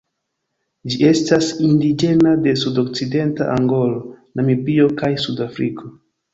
Ĝi estas indiĝena de sudokcidenta Angolo, Namibio kaj Sudafriko.